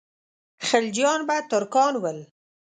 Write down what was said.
خلجیان به ترکان ول.